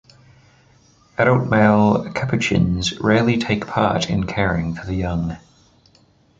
Adult male capuchins rarely take part in caring for the young.